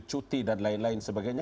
cuti dan lain lain sebagainya